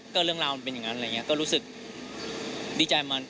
ก็เรื่องราวมันเป็นอย่างนั้นอะไรอย่างนี้ก็รู้สึกดีใจมัน